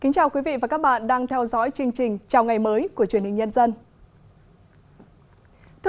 chào mừng quý vị đến với bộ phim hãy nhớ like share và đăng ký kênh của chúng mình nhé